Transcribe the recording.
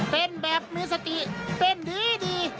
เป็นแบบมีสติเป็นดี